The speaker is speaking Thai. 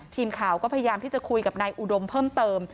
ทีมข่าวก็พยายามที่จะคุยกับนายอุดมเพิ่มเติม